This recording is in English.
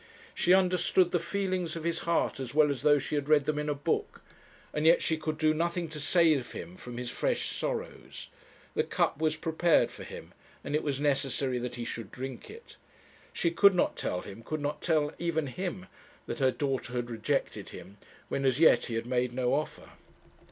She understood the feelings of his heart as well as though she had read them in a book; and yet she could do nothing to save him from his fresh sorrows. The cup was prepared for him, and it was necessary that he should drink it. She could not tell him, could not tell even him, that her daughter had rejected him, when as yet he had made no offer.